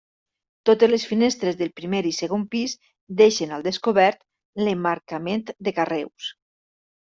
Totes les finestres del primer i segon pis deixen al descobert l'emmarcament de carreus.